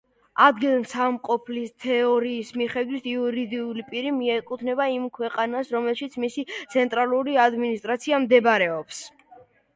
ადგილსამყოფლის თეორიის მიხედვით, იურიდიული პირი მიეკუთვნება იმ ქვეყანას, რომელშიც მისი ცენტრალური ადმინისტრაცია მდებარეობს.